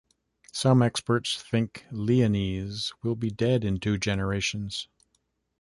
Some experts think Leonese will be dead in two generations.